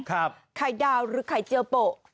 ไข่ดาวหรือไข่เจียวโปะ